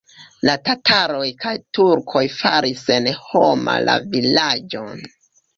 La tataroj kaj turkoj faris senhoma la vilaĝon.